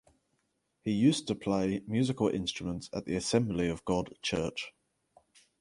He used to play musical instruments at the Assembly of God Church.